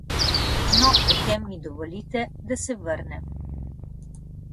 No, potem mi dovolite, da se vrnem.